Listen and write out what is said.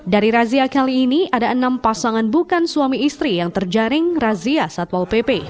dari razia kali ini ada enam pasangan bukan suami istri yang terjaring razia satpol pp